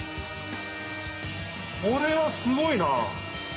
これはすごいな！